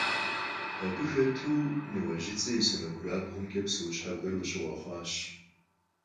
Абы хэту Ныуэжьыдзэ и сэмэгурабгъумкӀэ псэущхьэ гуэр къыщыгъуэхъуащ.